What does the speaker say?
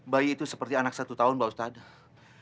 bayi itu seperti anak satu tahun pak ustadz